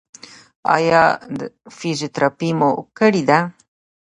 ایا فزیوتراپي مو کړې ده؟